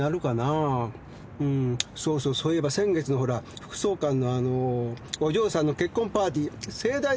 そうそうそういえば先月のほら副総監のあのお嬢さんの結婚パーティー盛大でしたねえ。